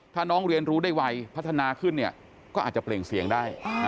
ถ้าน้องเรียนรู้ได้ไวพัฒนาขึ้นเนี่ยก็อาจจะเปล่งเสียงได้